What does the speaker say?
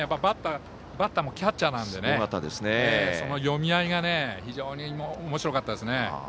バッターもキャッチャーなのでその読み合いが非常におもしろかったですね。